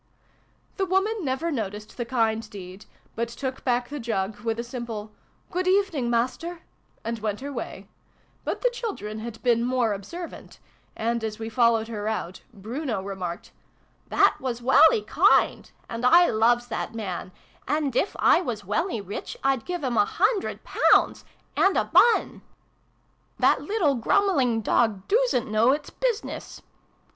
" The woman never noticed the kind deed, but took back the jug with a simple " Good evening, Master," and went her way : but the children had been more observant, and, as we followed her out, Bruno remarked " That were welly kind : and I loves that man : and if I was welly rich I'd give him a hundred pounds and a bun. That little grurnmeling 92 SYLVIE AND BRUNO CONCLUDED. dog doosn't know its business